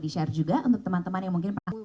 di share juga untuk teman teman yang mungkin pernah